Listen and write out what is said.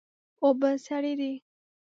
اوبه سړې دي.